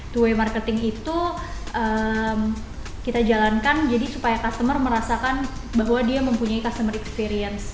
two way marketing itu kita jalankan jadi supaya customer merasakan bahwa dia mempunyai customer experience